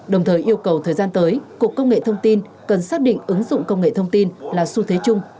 đồng thời yêu cầu thời gian tới cục công nghệ thông tin cần xác định ứng dụng công nghệ thông tin là xu thế chung